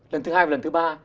lần thứ hai và lần thứ ba